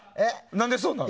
何でそうなるの？